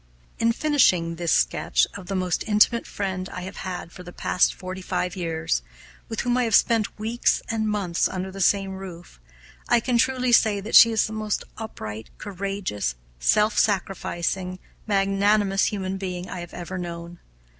In finishing this sketch of the most intimate friend I have had for the past forty five years, with whom I have spent weeks and months under the same roof, I can truly say that she is the most upright, courageous, self sacrificing, magnanimous human being I have ever known.